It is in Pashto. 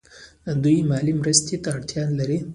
دوی مالي مرستې ته اړتیا لري.